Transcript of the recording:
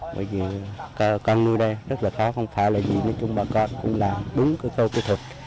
bởi vì con nuôi đây rất là khó không phải là vì bà con cũng làm đúng cái câu kỹ thuật